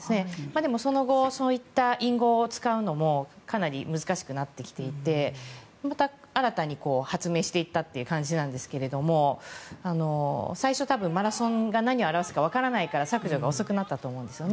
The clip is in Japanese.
最近はそういった隠語を使うのもかなり難しくなってきていてまた新たに発明していった感じなんですが最初、多分マラソンが何を表すかわからないから削除が遅くなったと思うんですね。